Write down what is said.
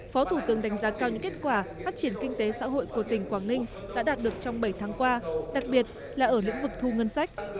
phó thủ tướng đánh giá cao những kết quả phát triển kinh tế xã hội của tỉnh quảng ninh đã đạt được trong bảy tháng qua đặc biệt là ở lĩnh vực thu ngân sách